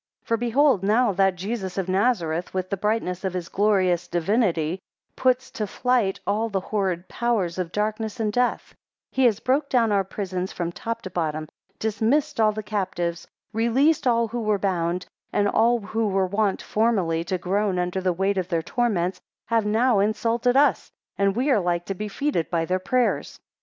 3 For behold now that Jesus of Nazareth, with the brightness of his glorious divinity, puts to flight all the horrid powers of darkness and death; 4 He has broke down our prisons from top to bottom, dismissed all the captives, released all who were bound, and all who were wont formerly to groan under the weight of their torments, have now insulted us, and we are like to be defeated by their prayers.